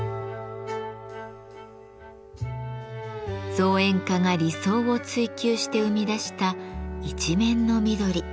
造園家が理想を追求して生み出した一面の緑。